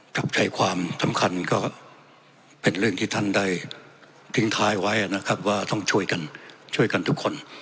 จับใจความสำคัญก็เป็นเรื่องที่ท่านได้ทิ้งท้ายไว้นะครับว่าต้องช่วยกันช่วยกันทุกคน